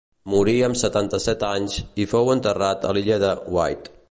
Morí amb setanta-set anys, i fou enterrat a l'illa de Wight.